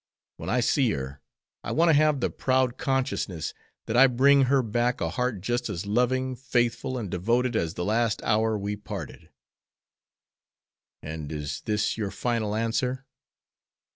When I see her I want to have the proud consciousness that I bring her back a heart just as loving, faithful, and devoted as the last hour we parted." "And is this your final answer?"